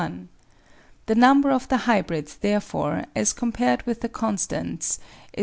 The number of the hybrids, therefore, as compared with the constants is 1.